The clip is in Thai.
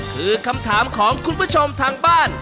คือคำถามของคุณผู้ชมทางบ้าน